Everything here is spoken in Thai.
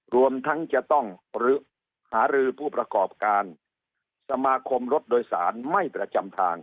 รวมทั้งจะต้องหารือผู้ประกอบการสมาคมรถโดยสารไม่ประจำทาง